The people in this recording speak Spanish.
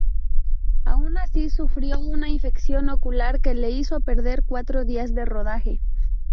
Aun así, sufrió una infección ocular que le hizo perder cuatro días de rodaje.